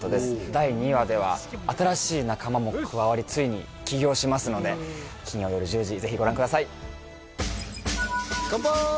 第２話では新しい仲間も加わりついに起業しますので金曜夜１０時ぜひご覧くださいカンパーイ！